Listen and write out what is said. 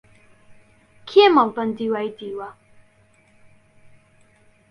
کێ مەڵبەندی وای دیوە؟